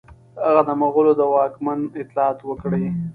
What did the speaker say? هغه د مغولو د واکمن اطاعت وکړي.